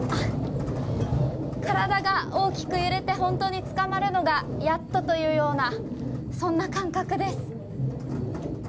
体が大きく揺れて本当に、つかまるのがやっとというようなそんな感覚です。